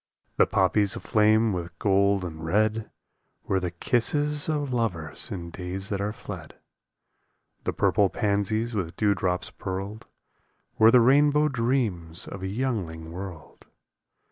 The poppies aflame with gold and red Were the kisses of lovers in days that are fled. The purple pansies with dew drops pearled Were the rainbow dreams of a youngling world.